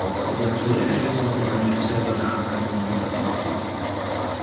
Ik ben het volledig eens met de daarin gestelde data en kwantitatieve doelen.